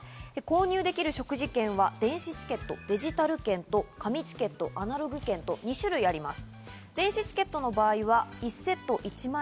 購入できる食事券は電子チケット、デジタル券と紙チケット、アナログ券と２種類あります。